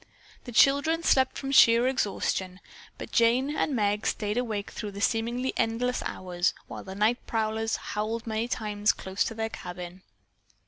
The children slept from sheer exhaustion, but Jane and Meg stayed awake through the seemingly endless hours, while night prowlers howled many times close to their cabin.